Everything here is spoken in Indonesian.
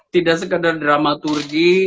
tidak sekedar dramaturgi